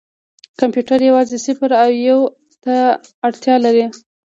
کمپیوټر یوازې صفر او یو ته اړتیا لري.